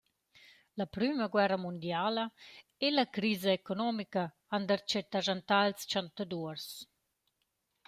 La prüma guerra mundiala e la crisa economica han darcheu taschantà ils chantaduors.